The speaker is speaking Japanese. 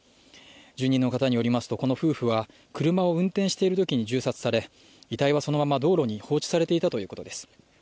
住民の方によりますとこの夫婦は車を運転しているときに銃殺され、遺体はそのまま道路に放置されていたということです。